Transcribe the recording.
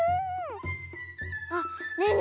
あっねえね